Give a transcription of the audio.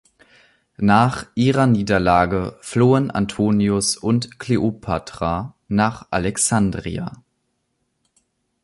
Nach ihrer Niederlage flohen Antonius und Kleopatra nach Alexandria.